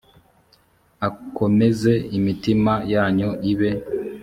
akomeze imitima yanyu ibe